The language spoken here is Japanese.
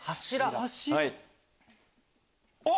あっ！